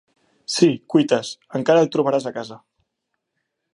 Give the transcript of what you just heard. Si cuites, encara el trobaràs a casa.